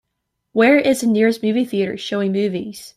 where is the nearest movie theatre showing movies